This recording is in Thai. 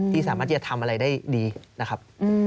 สามารถที่จะทำอะไรได้ดีนะครับ